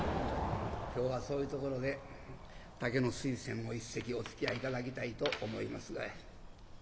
今日はそういうところで「竹の水仙」を一席おつきあい頂きたいと思いますが。